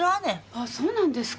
ああそうなんですか？